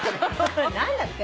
何だって？